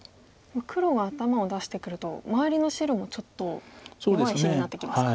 黒が頭を出してくると周りの白もちょっと弱い石になってきますか。